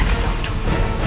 dan ini adiknya ucup